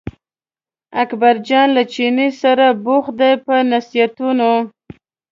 اکبرجان له چیني سره بوخت دی په نصیحتونو.